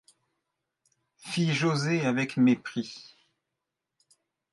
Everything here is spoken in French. fit José avec mépris